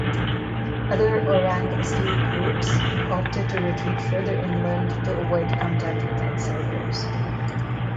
Other Orang Asli groups opted to retreat further inland to avoid contact with outsiders.